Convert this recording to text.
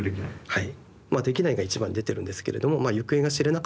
はい。